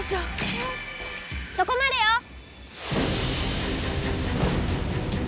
・そこまでよ！